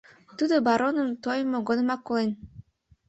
Тудо бароным тойымо годымак колен.